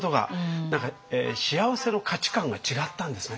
何か幸せの価値観が違ったんですね。